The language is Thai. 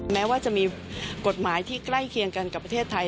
แม้ว่าจะมีกฎหมายที่ใกล้เคียงกันกับประเทศไทย